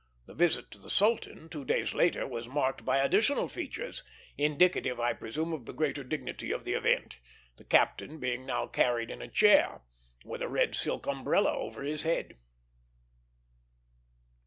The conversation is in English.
The visit to the sultan, two days later, was marked by additional features, indicative, I presume, of the greater dignity of the event; the captain being now carried in a chair with a red silk umbrella over his head.